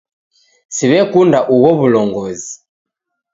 Siw'ekunda ugho w'ulongozi.